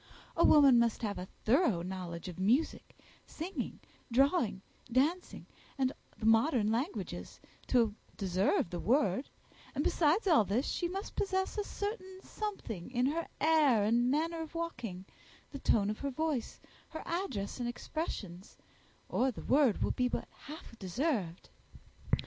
A woman must have a thorough knowledge of music, singing, drawing, dancing, and the modern languages, to deserve the word; and, besides all this, she must possess a certain something in her air and manner of walking, the tone of her voice, her address and expressions, or the word will be but half deserved."